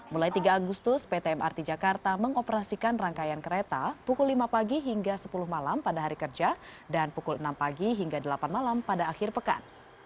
mulai tiga agustus pt mrt jakarta mengoperasikan rangkaian kereta pukul lima pagi hingga sepuluh malam pada hari kerja dan pukul enam pagi hingga delapan malam pada akhir pekan